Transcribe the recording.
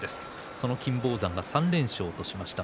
その金峰山が３連勝としました。